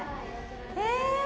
え！